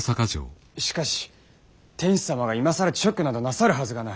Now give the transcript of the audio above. しかし天子様が今更勅許などなさるはずがない。